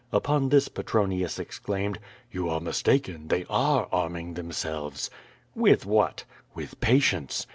Upon this Petroniiis exclaimed: "You are mistaken, they are arming tliemselves." "With what?" "With patience."